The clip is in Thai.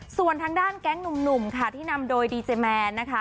ส่วนทางด้านแก๊งหนุ่มค่ะที่นำโดยดีเจแมนนะคะ